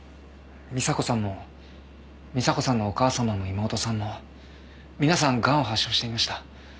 美佐子さんも美佐子さんのお母さまも妹さんも皆さんがんを発症していました。